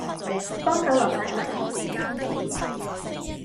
幫手落街買支豉油